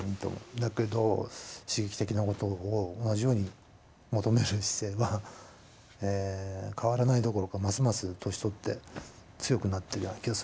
だけど刺激的なことを同じように求める姿勢は変わらないどころかますます年取って強くなってるような気がするんですね２人。